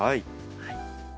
はい。